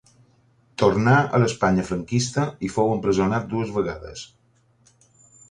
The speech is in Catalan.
Tornà a l'Espanya franquista i fou empresonat dues vegades.